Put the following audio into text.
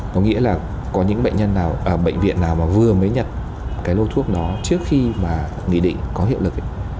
có nghĩa là có những bệnh viện nào vừa mới nhập cái lô thuốc đó trước khi mà nghị định có hiệu lực